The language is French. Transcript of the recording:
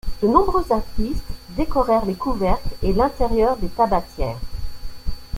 De nombreux artistes décorèrent les couvercles et l'intérieur des tabatières.